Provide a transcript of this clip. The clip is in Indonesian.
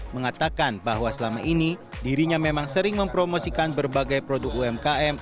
mengatakan bahwa selama ini dirinya memang sering mempromosikan berbagai produk umkm